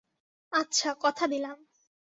আচ্ছা কথা দিলাম।